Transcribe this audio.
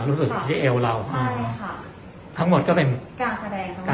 หนูก็เวลใกล้จะส่งจังหวะมาให้หนูได้แสดงออกมา